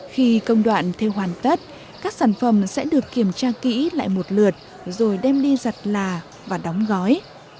khi công đoạn theo hoàn tất các sản phẩm sẽ được kiểm tra kỹ lại một lượt rồi đem đi giặt là và đóng gói